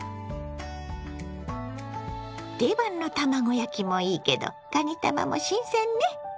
定番の卵焼きもいいけどかにたまも新鮮ね。